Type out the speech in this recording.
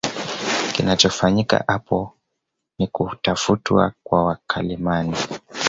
Kinachofanyika apo ni kutafutwa kwa wakalimani